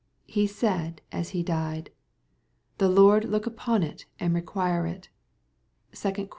— He said, as he died, ^ the Lord look upon it and require it.V (2^QlmHL xxiv.